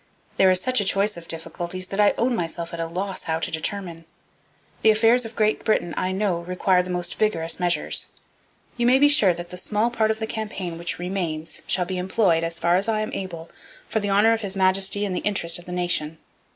There is such a choice of difficulties that I own myself at a loss how to determine. The affairs of Great Britain I know require the most vigorous measures. You may be sure that the small part of the campaign which remains shall be employed, as far as I am able, for the honour of His Majesty and the interest of the nation.